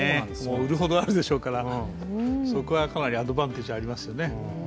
売るほどあるでしょうから、そこはかなりアドバンテージありますよね。